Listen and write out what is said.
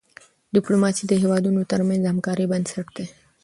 ډيپلوماسي د هېوادونو ترمنځ د همکاری بنسټ دی.